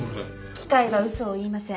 機械は嘘を言いません。